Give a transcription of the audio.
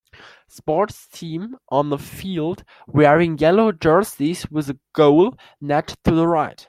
Sports team on a field wearing yellow jerseys with a goal net to the right.